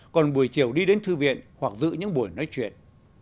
còn buổi chiều đi đến thư viện hoặc giữ những buổi nói chuyện